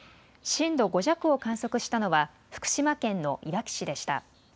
震度５弱を観測したのは福島県のいわき市でした。